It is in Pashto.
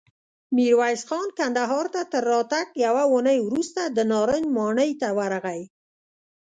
ميرويس خان کندهار ته تر راتګ يوه اوونۍ وروسته د نارنج ماڼۍ ته ورغی.